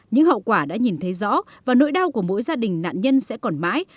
những hậu quả đã nhìn thấy rõ và nỗi đau của mỗi gia đình nạn nhân sẽ còn mãi